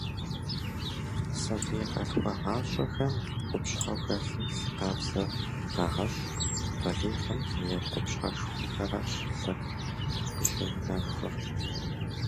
Сабий къалъхуагъащӏэхэм къупщхьэу хэлъым лъы къабзэ къагъэщӏ, балигъым и къупщхьэшхуэхэращ лъыр къыщыунэхур.